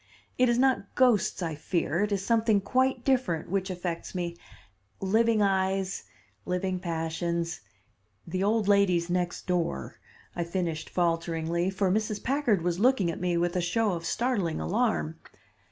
It is not ghosts I fear; it is something quite different which affects me, living eyes, living passions, the old ladies next door," I finished falteringly, for Mrs. Packard was looking at me with a show of startling alarm.